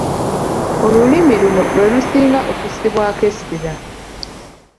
Olulimi luno lwe lusinga okussibwako essira.